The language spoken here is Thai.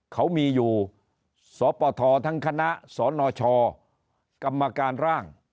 เขามีอยู่สปททั้งคณะสนชกรรมการร่าง